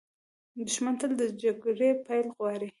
دښمن تل د جګړې پیل غواړي